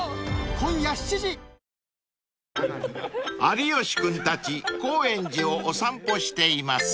［有吉君たち高円寺をお散歩しています］